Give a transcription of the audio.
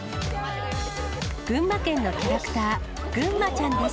群馬県のキャラクター、ぐんまちゃんです。